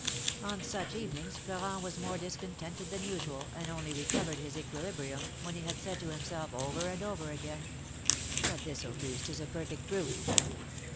On such evenings Florent was more discontented than usual, and only recovered his equilibrium, when he had said to himself, over and over again : But this Auguste is a perfect brute